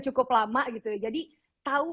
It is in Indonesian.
cukup lama gitu jadi tau